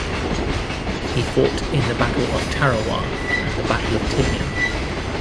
He fought in the Battle of Tarawa and the Battle of Tinian.